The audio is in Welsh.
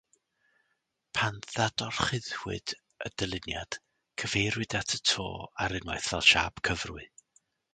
Pan ddadorchuddiwyd y dyluniad, cyfeiriwyd at y to ar unwaith fel siâp cyfrwy.